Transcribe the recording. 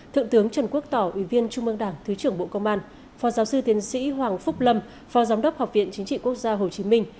thượng tướng trần quốc tỏ ủy viên trung mương đảng thứ trưởng bộ công an phó giáo sư tiến sĩ hoàng phúc lâm phó giám đốc học viện chính trị quốc gia hồ chí minh